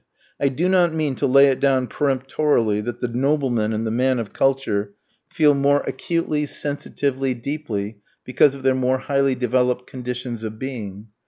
I do not mean to lay it down peremptorily, that the nobleman and the man of culture feel more acutely, sensitively, deeply, because of their more highly developed conditions of being.